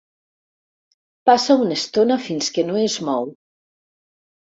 Passa una estona fins que no es mou.